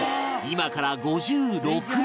今から５６年前